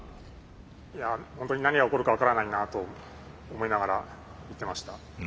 ホントに何が起こるか分からないなと思いながら見てました。